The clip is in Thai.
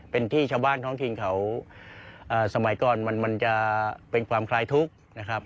เป็นที่ชาวบ้านท้องถิ่นเขาสมัยก่อนมันจะเป็นความคลายทุกข์นะครับ